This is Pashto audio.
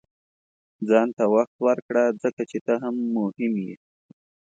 • ځان ته وخت ورکړه، ځکه چې ته هم مهم یې.